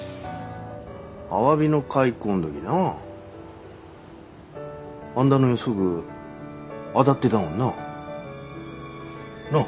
アワビの開口ん時なあんだの予測当だってだもんな。なあ？